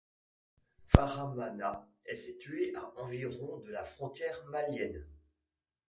Faramana est située à environ de la frontière malienne.